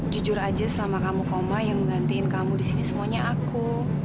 jujur aja selama kamu koma yang ngegantiin kamu disini semuanya aku